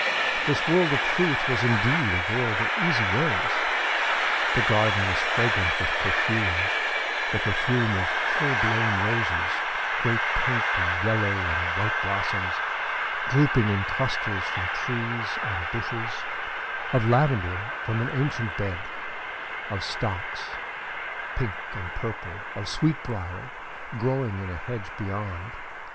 This world of Truth was indeed a world of easy ways! ... The garden was fragrant with perfumes; the perfume of full blown roses great pink and yellow and white blossoms, drooping in clusters from trees and bushes; of lavender from an ancient bed; of stocks pink and purple; of sweetbriar, growing in a hedge beyond.